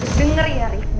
dengar ya rik